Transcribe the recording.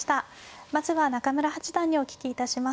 まずは中村八段にお聞きいたします。